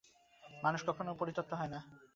মানুষ কখনই সম্পূর্ণ পরিতৃপ্ত হয় না।